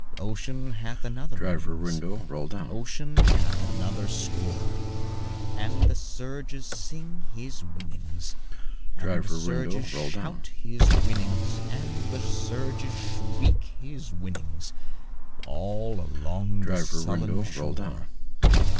Ocean hath another innings, Ocean hath another score; And the surges sing his winnings, And the surges shout his winnings, And the surges shriek his winnings, All along the sullen shore.